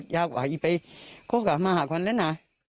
อยากอ่ะอยากอีกไปก็กลับมาหาคนเลยนะ